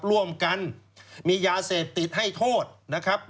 ร่วมกันมียาเสพติดให้โทษนะครับ